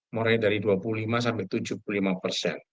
mulai dari dua puluh lima sampai tujuh puluh lima persen